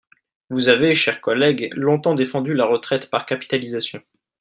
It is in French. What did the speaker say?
Vous avez, chers collègues, longtemps défendu la retraite par capitalisation.